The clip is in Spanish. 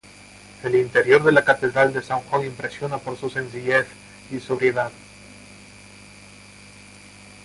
El interior de la Catedral de San Juan impresiona por su sencillez y sobriedad.